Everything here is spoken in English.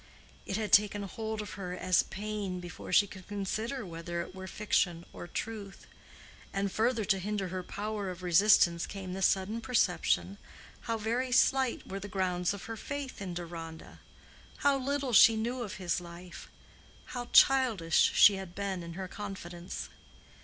It had taken hold of her as pain before she could consider whether it were fiction or truth; and further to hinder her power of resistance came the sudden perception, how very slight were the grounds of her faith in Deronda—how little she knew of his life—how childish she had been in her confidence.